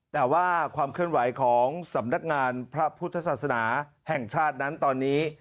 แต่ว่าความเคลื่อนไหวของสำนักงานพระพุทธศาสนาแห่งชาตินั้นตอนนี้